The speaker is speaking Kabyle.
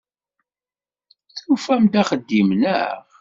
Tufam-d axeddim, naɣ?